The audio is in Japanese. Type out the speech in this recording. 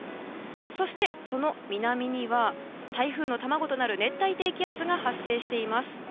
そして、その南には台風の卵となる熱帯低気圧が発生しています。